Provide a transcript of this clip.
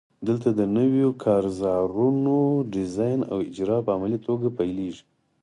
دلته د نویو کارزارونو ډیزاین او اجرا په عملي توګه پیلیږي.